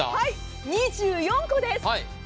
２４個です。